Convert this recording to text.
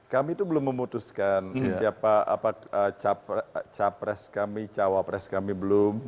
kami itu belum memutuskan siapa capres kami cawapres kami belum